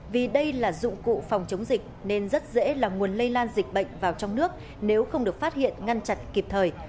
vì đây là dụng cụ phòng chống dịch nên rất dễ là nguồn lây lan dịch bệnh vào trong nước nếu không được phát hiện ngăn chặt kịp thời